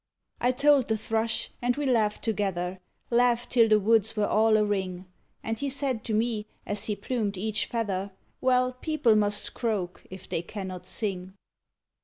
I told the thrush, and we laughed together, Laughed till the woods were all a ring: And he said to me, as he plumed each feather, "Well, people must croak, if they cannot sing."